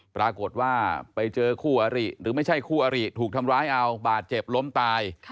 ปรากฏว่าไปเจอคู่อริหรือไม่ใช่คู่อริถูกทำร้ายเอาบาดเจ็บล้มตาย